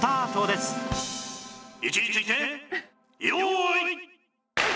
位置について用意。